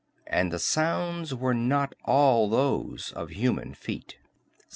_And the sounds were not all those of human feet.